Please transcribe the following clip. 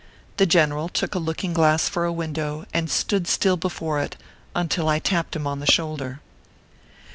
The general took a looking glass for a window, and stood still before it, until I tapped him on the shoulder.